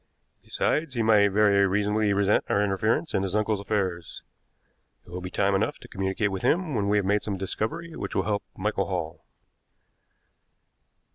Besides, he might very reasonably resent our interference in his uncle's affairs. It will be time enough to communicate with him when we have made some discovery which will help Michael Hall."